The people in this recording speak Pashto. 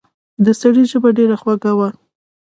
د سړي ژبه ډېره خوږه وه.